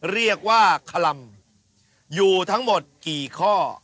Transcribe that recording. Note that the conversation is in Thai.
เรียกว่าคลำอยู่ทั้งหมดกี่ข้อ